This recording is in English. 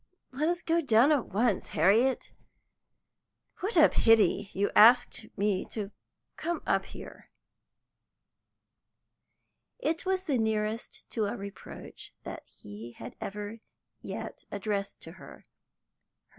Let us go down at once, Harriet. What a pity you asked me to come up here!" It was the nearest to a reproach that he had ever yet addressed to her.